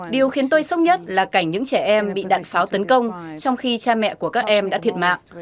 điều khiến tôi sốc nhất là cảnh những trẻ em bị đạn pháo tấn công trong khi cha mẹ của các em đã thiệt mạng